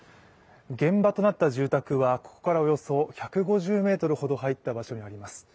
現場となった住宅はここからおよそ１５０ｍほど入った場所にあります